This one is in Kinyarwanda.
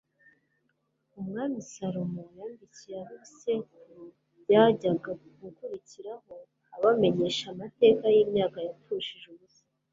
umwami salomo yandikiye ab'ibisekuru byajyaga gukurikiraho abamenyesha amateka y'imyaka yapfushije ubusa